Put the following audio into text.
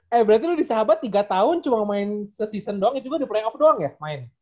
eh berarti lu di sahabat tiga tahun cuma main season doang ya juga di playoff doang ya main